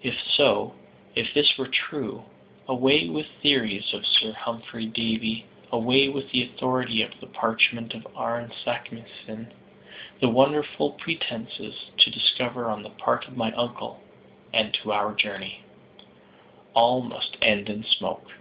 If so, if this were true, away with the theories of Sir Humphry Davy; away with the authority of the parchment of Arne Saknussemm; the wonderful pretensions to discovery on the part of my uncle and to our journey! All must end in smoke.